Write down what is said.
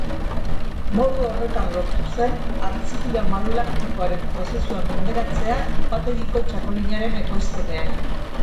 Modu horretan lortu zen hartzidura malo-laktikoaren prozesua menderatzea upategiko txakolinaren ekoizpenean.